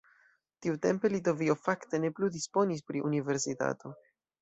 Tiutempe Litovio fakte ne plu disponis pri universitato.